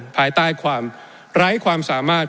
ภายใต้ความไร้ความสามารถ